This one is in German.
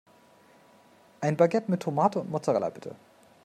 Ein Baguette mit Tomate und Mozzarella, bitte!